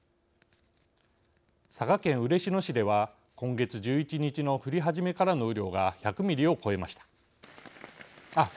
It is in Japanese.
佐賀県嬉野市では今月１１日の降り始めからの雨量が１，０００ミリを超えました。